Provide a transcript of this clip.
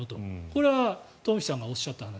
これはトンフィさんがおっしゃった話。